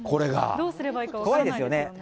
どうすればいいか分からないですよね。